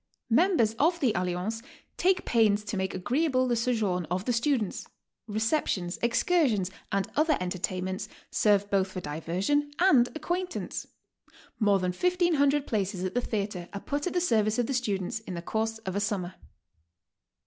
Members of the Alliance take pains to make agreeable ihe sojourn of the students. Receptions, excursions and other entertainments serve both for diversion and acquaint ance. More than 1500 places at the theatre are put at the service of the students in the course of a summer.